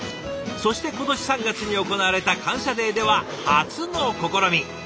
そして今年３月に行われた「感謝デー」では初の試み！